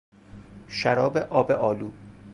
شراب آب آلو